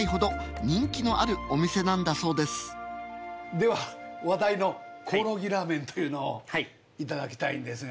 では話題のコオロギラーメンというのを頂きたいんですが。